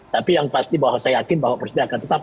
tapi yang pasti bahwa saya yakin bahwa presiden akan tetap